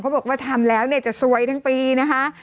บอกว่าทำแล้วเนี่ยจะซวยทั้งปีนะคะ